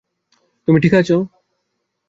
তুমি ঠিক আছ?